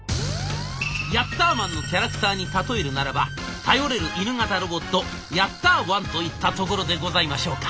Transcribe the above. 「ヤッターマン」のキャラクターに例えるならば頼れる犬型ロボットヤッターワンといったところでございましょうか。